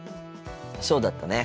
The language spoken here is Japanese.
そうだったね。